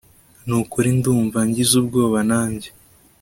nukuri ndumva ngize ubwoba nanjye